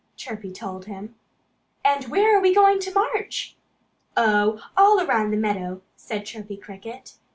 Chirpy told him. "And where are we going to march?" "Oh, all around the meadow!" said Chirpy Cricket.